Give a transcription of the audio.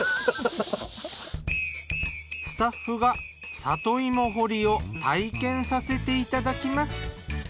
スタッフが里芋掘りを体験させていただきます。